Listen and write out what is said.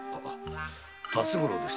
辰五郎です。